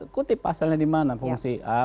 kutip pasalnya di mana fungsi a